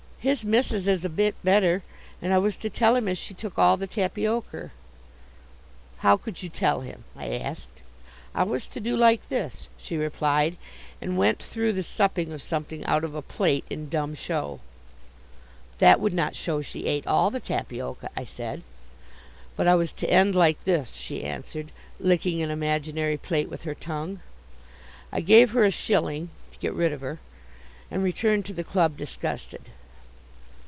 His missis is a bit better, and I was to tell him as she took all the tapiocar." "How could you tell him?" I asked. "I was to do like this," she replied, and went through the supping of something out of a plate in dumb show. "That would not show she ate all the tapioca," I said. "But I was to end like this," she answered, licking an imaginary plate with her tongue. I gave her a shilling (to get rid of her), and returned to the club disgusted.